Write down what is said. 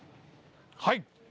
はい。